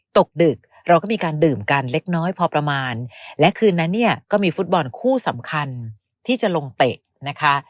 ตกดึกเราก็มีการดื่มกันเล็กน้อยพอประมาณและคืนนั้นเนี่ยก็มีฟุตบอลคู่สำคัญที่จะลงเตะนะคะ